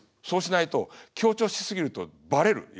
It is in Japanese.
そうしないと強調し過ぎるとバレる。